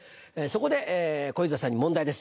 そこで小遊三さんに問題です。